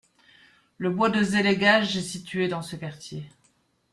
Le Bois de Zelegaj est situé dans ce quartier.